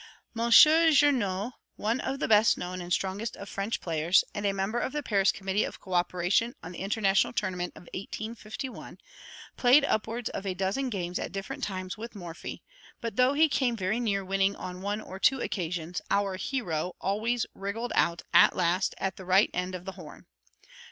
Monsieur Journoud, one of the best known and strongest of French players, and a member of the Paris Committee of Co operation on the International Tournament of 1851, played upwards of a dozen games at different times with Morphy; but though he came very near winning on one or two occasions, our hero always wriggled out at last at the right end of the horn.